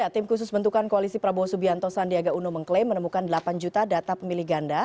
tim khusus bentukan koalisi prabowo subianto sandiaga uno mengklaim menemukan delapan juta data pemilih ganda